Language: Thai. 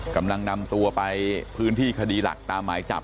กำลังนำตัวไปพื้นที่คดีหลักตามหมายจับ